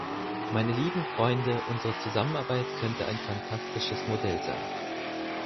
Meine lieben Freunde, unsere Zusammenarbeit könnte ein phantastisches Modell sein.